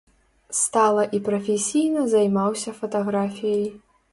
Стала і прафесійна займаўся фатаграфіяй.